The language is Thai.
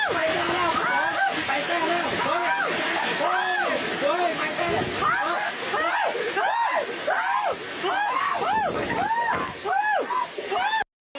ไฟเจ้า